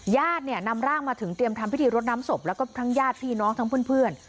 ญาติเนี่ยนำร่างมาถึงเตรียมทำพิธีรดน้ำศพแล้วก็ทั้งญาติพี่น้องทั้งเพื่อน